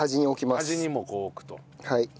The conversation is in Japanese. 端にもこう置くと。